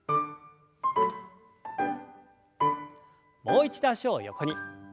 もう一度脚を横に。